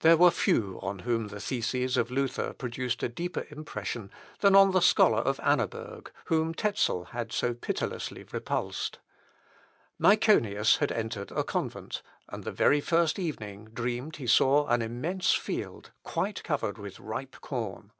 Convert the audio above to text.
There were few on whom the theses of Luther produced a deeper impression than on the scholar of Annaberg, whom Tezel had so pitilessly repulsed. Myconius had entered a convent, and the very first evening dreamed he saw an immense field quite covered with ripe corn.